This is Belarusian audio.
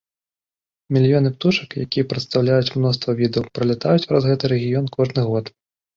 Мільёны птушак, якія прадстаўляюць мноства відаў, пралятаюць праз гэты рэгіён кожны год.